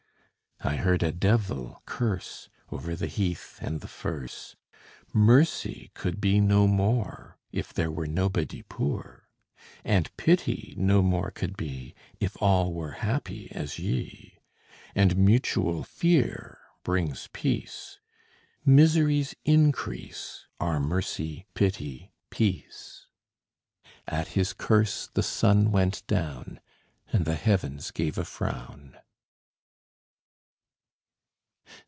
I heard a devil curse Over the heath and the furse: "Mercy could be no more If there were nobody poor, And pity no more could be If all were happy as ye: And mutual fear brings peace. Misery's increase Are mercy, pity, peace." At his curse the sun went down, And the heavens gave a frown.